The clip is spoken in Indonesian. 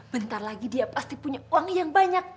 bentar lagi dia pasti punya uang yang banyak